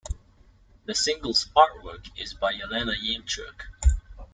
The single's artwork is by Yelena Yemchuk.